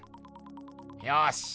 よし！